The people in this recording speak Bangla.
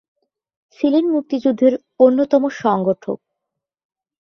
ছিলেন মুক্তিযুদ্ধের অন্যতম সংগঠক।